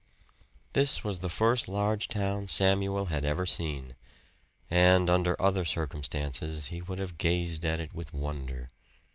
This was the first large town Samuel had ever seen, and under other circumstances he would have gazed at it with wonder.